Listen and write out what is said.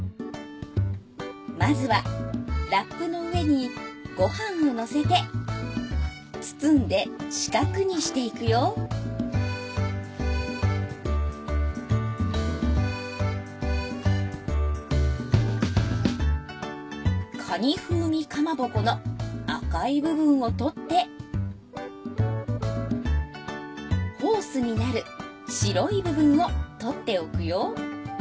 まずはラップの上にごはんをのせて包んで四角にしていくよかに風味かまぼこの赤い部分を取ってホースになる白い部分を取っておくよ。